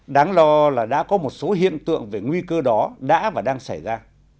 đáng lo là đã có một số hiện tượng về nguy cơ đó đã và đang xảy ra